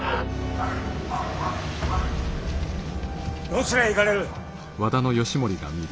どちらへ行かれる。